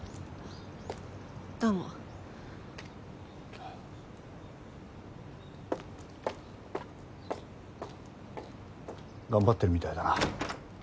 どうも。頑張ってるみたいだな。